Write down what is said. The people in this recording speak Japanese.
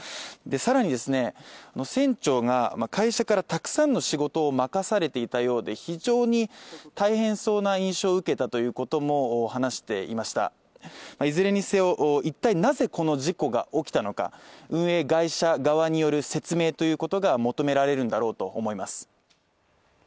さらにですね、あの船長が会社からたくさんの仕事を任されていたようで非常に大変そうな印象を受けたということも話していましたいずれにせよいったいなぜこの事故が起きたのか、運営会社側による説明ということが求められるんだろうと思います。